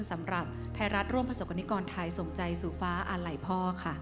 สำหรับไทยรัฐร่วมประสบกรณิกรไทยส่งใจสู่ฟ้าอาลัยพ่อค่ะ